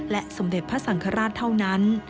สมเด็จพระสังฆราชเท่านั้น